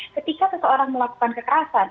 ketika seseorang melakukan kekerasan